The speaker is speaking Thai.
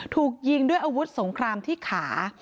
ถูกยิงด้วยอาวุธสงครามที่ขา